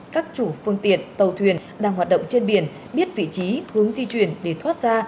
các chủ phương tiện tàu thuyền đang hoạt động trên biển biết vị trí hướng di chuyển để thoát ra